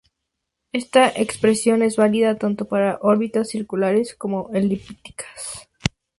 Esta expresión es válida tanto para órbitas circulares como elípticas.